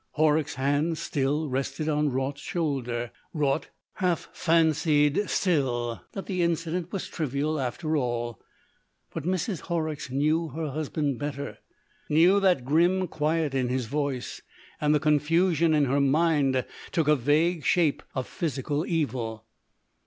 Horrock's hand still rested on Raut's shoulder. Raut half fancied still that the incident was trivial after all. But Mrs. Horrocks knew her husband better, knew that grim quiet in his voice, and the confusion in her mind took a vague shape of physical evil.